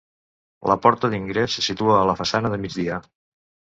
La porta d'ingrés se situa a la façana de migdia.